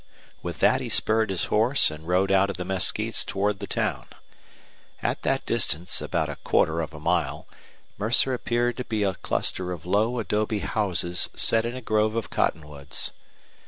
With that he spurred his horse and rode out of the mesquites toward the town. At that distance, about a quarter of a mile, Mercer appeared to be a cluster of low adobe houses set in a grove of cottonwoods.